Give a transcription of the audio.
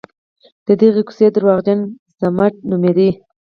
د دغې کوڅې درواغجن ضمټ نومېده.